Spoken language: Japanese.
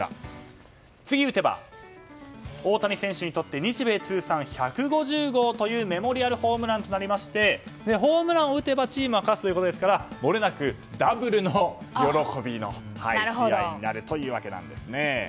次打てば大谷選手にとって日米通算１５０号というメモリアルホームランとなりホームランを打てばチームは勝つということですからもれなくダブルの喜びの試合になるということです。